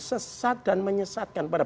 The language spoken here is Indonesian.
sesat dan menyesatkan pada